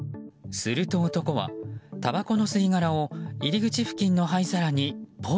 すると、男はたばこの吸い殻を入口付近の灰皿にポイ。